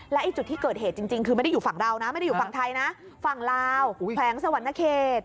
ไอ้จุดที่เกิดเหตุจริงคือไม่ได้อยู่ฝั่งเรานะไม่ได้อยู่ฝั่งไทยนะฝั่งลาวแขวงสวรรณเขต